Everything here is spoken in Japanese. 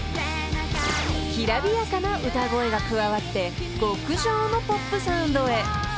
［きらびやかな歌声が加わって極上のポップサウンドへ］